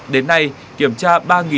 đến nay kiểm tra ba hai trăm bảy mươi bốn